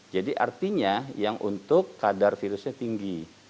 jadi artinya yang untuk kadar virusnya tinggi